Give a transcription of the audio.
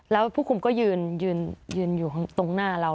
แล้วผู้คุมก็ยืนอยู่ตรงหน้าเรา